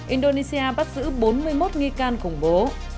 indonesia bắt giữ bốn mươi một nghi can khủng bố